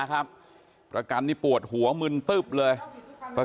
ชวนไปดูกัญชาเนี่ยนะ